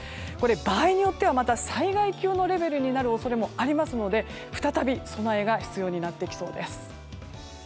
場合によっては災害級のレベルになる恐れもありますので再び備えが必要になってきそうです。